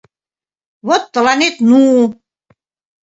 — Вот тыланет «ну».